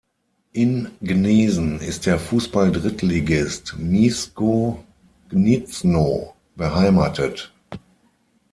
In Gnesen ist der Fußball-Drittligist Mieszko Gniezno beheimatet.